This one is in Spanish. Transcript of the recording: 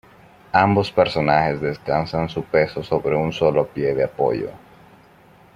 Ambos personajes descansan su peso sobre un sólo pie de apoyo.